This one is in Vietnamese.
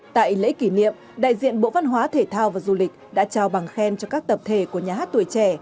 tại lễ kỷ niệm đại diện bộ văn hóa thể thao và du lịch đã trao bằng khen cho các tập thể của nhà hát tuổi trẻ